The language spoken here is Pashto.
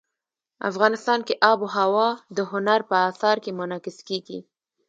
افغانستان کې آب وهوا د هنر په اثار کې منعکس کېږي.